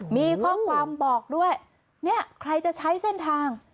มีข้อความบอกด้วยเนี่ยใครจะใช้เส้นทาง